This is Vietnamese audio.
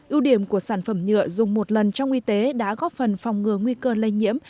ưu điểm của sản phẩm nhựa dùng một lần trong y tế đã góp phần phòng ngừa nguy cơ lây nhiễm